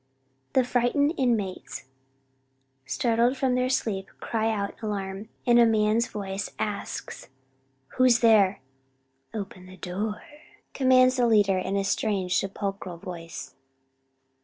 The frightened inmates, startled from their sleep, cry out in alarm, and a man's voice asks, "Who's there?" "Open the door," commands the leader in a strange sepulchral voice.